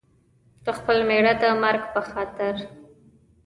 د خپل مېړه د مرګ په خاطر.